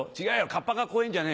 「カッパが怖えぇんじゃねえよ。